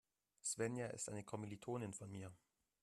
Svenja ist eine Kommilitonin von mir.